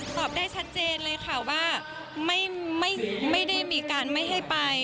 ตอบได้ชัดเจนเลยค่ะว่าไม่ได้มีการไม่ให้ไป